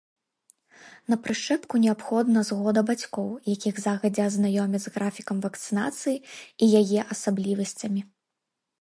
На прышчэпку неабходна згода бацькоў, якіх загадзя азнаёмяць з графікам вакцынацыі і яе асаблівасцямі.